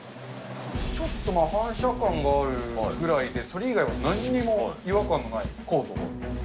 ちょっとまあ、反射感があるぐらいで、それ以外はなんにも違和感がないコート。